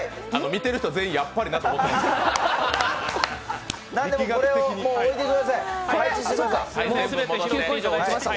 見てる人全員、やっぱりなと思いました。